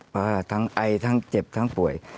เพราะว่าทั้งไอทั้งเจ็บทั้งป่วย